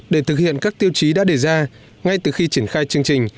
để thực hiện các tiêu chí đã đề ra ngay từ khi triển khai chương trình